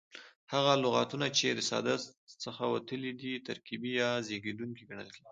هغه لغتونه، چي د ساده څخه وتلي دي ترکیبي یا زېږېدونکي کڼل کیږي.